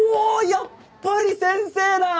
やっぱり先生だ！